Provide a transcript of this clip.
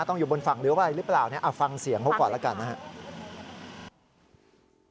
ต้องอยู่บนฝั่งหรืออะไรหรือเปล่าฟังเสียงพวกก่อนละกันนะครับ